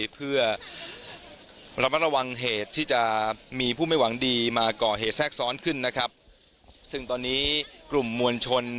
เพื่อระมัดระวังเหตุที่จะมีผู้ไม่หวังดีมาก่อเหตุแทรกซ้อนขึ้นนะครับซึ่งตอนนี้กลุ่มมวลชน